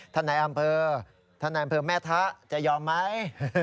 ท่านนายอำเภอแม่ทะจะยอมไหม